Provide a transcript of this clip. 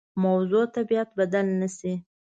موضوع طبیعت بدل نه شي.